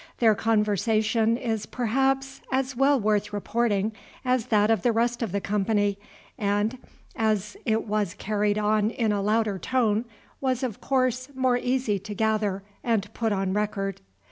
Their conversation is perhaps as well worth reporting as that of the rest of the company, and, as it was carried on in a louder tone, was of course more easy to gather and put on record.